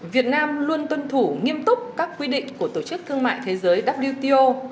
việt nam luôn tuân thủ nghiêm túc các quy định của tổ chức thương mại thế giới wto